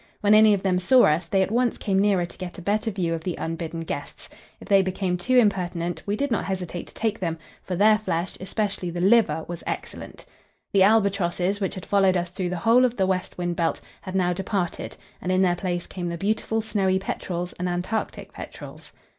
When any of them saw us, they at once came nearer to get a better view of the unbidden guests. If they became too impertinent, we did not hesitate to take them, for their flesh, especially the liver, was excellent. The albatrosses, which had followed us through the whole of the west wind belt, had now departed, and in their place came the beautiful snowy petrels and Antarctic petrels.